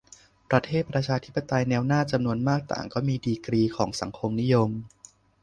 ประเทศประชาธิปไตยแนวหน้าจำนวนมากต่างก็มีดีกรีของสังคมนิยม